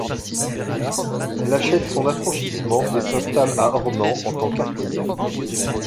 Elle achète son affranchissement et s’installe à Ornans en tant qu’artisans.